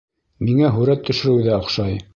Миңә һүрәт төшөрөү ҙә оҡшай.